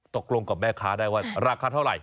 ตกลงกับแม่ค้าได้ว่าราคาเท่าไหร